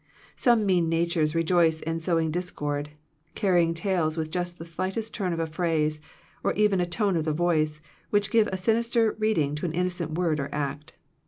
Some mean natures rejoice in sowing discord, carrying tales with just the slightest turn of a phrase, or even a tone of the voice, which gives a sinister reading to an innocent word or act.